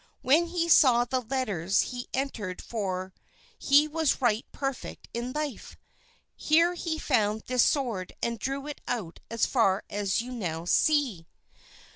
When he saw the letters he entered, for he was right perfect in his life; here he found this sword and drew it out as far as you now see.